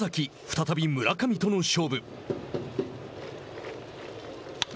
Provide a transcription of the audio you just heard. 再び村上との勝負。